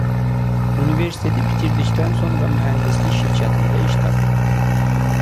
Universiteti bitirdikdən sonra mühəndislik şirkətində iş tapıb.